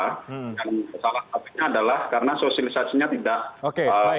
dan salah satunya adalah karena sosialisasinya tidak masif